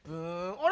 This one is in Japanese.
あれ？